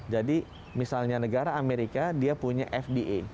jadi misalnya negara amerika dia punya fda